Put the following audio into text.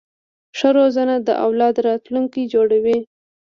ښه روزنه د اولاد راتلونکی جوړوي.